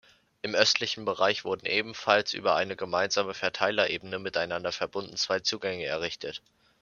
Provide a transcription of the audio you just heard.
Im östlichen Bereich wurden, ebenfalls über eine gemeinsame Verteilerebene miteinander verbunden, zwei Zugänge errichtet.